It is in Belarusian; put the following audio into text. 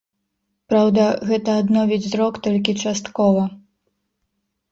Праўда, гэта адновіць зрок толькі часткова.